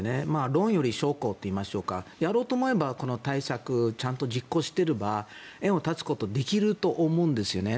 論より証拠といいましょうかやろうと思えばこの対策ちゃんと実行していれば縁を断つことできると思うんですよね。